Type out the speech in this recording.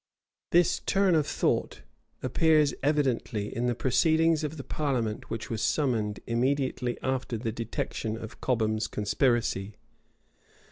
This turn of thought appears evidently in the proceedings of the parliament which was summoned immediately after the detection of Cobham's conspiracy.